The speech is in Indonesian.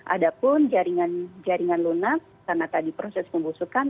adapun jaringan lunak karena tadi proses pembusukan